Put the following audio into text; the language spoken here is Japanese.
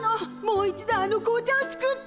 もう一度あの紅茶を作って！